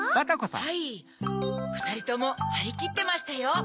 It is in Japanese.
・・はい・ふたりともはりきってましたよ。